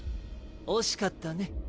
惜しかったね。